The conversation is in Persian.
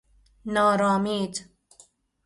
نارامید